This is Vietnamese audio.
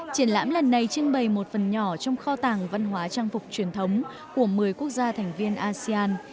triển lãm lần này trưng bày một phần nhỏ trong kho tàng văn hóa trang phục truyền thống của một mươi quốc gia thành viên asean